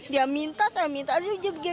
dia minta saya minta aja begitu